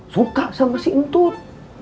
suka sama si untut